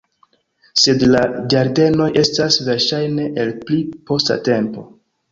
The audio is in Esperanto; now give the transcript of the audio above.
Sed la ĝardenoj estas verŝajne el pli posta tempo.